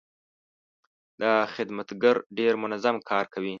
دا خدمتګر ډېر منظم کار کوي.